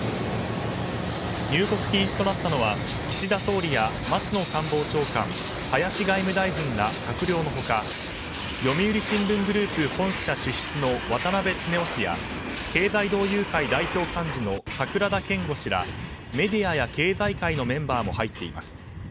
入国禁止となったのは岸田総理や松野官房長官、林外務大臣ら閣僚の他読売新聞グループ本社主筆の渡辺恒雄氏や経済同友会代表幹事の櫻田謙悟氏らメディアや経済界のメンバーも入っています。